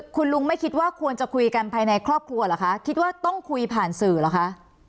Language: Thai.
คุณลุงไม่คิดว่าควรจะคุยกันภายในครอบครัวเหรอคะคิดว่าต้องคุยผ่านสื่อเหรอคะ